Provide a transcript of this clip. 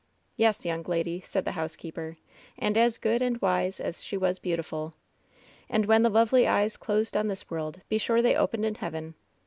"Yes, young lady," said the housekeeper, "and as good and wise as she was beautiful. And when the lovely eyes closed on this world, be sure they opened in heaven.